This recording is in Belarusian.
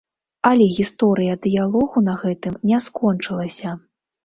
Але гісторыя дыялогу на гэтым не скончылася.